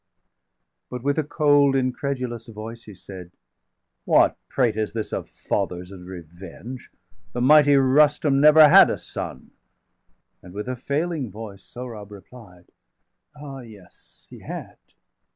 575 But, with a cold incredulous voice, he said: "What prate is this of fathers and revenge? The mighty Rustum never had a son." And, with a failing voice, Sohrab replied: "Ah yes, he had!